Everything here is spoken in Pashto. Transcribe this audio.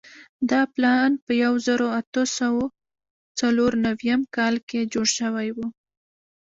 دا پلان په یوه زرو اتو سوو څلور نوېم کال کې جوړ شوی وو.